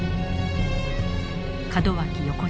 門脇横地